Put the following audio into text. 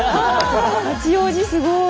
八王子すごい。